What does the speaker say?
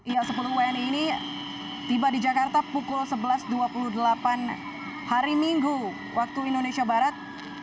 ya sepuluh wni ini tiba di jakarta pukul sebelas dua puluh delapan hari minggu waktu indonesia barat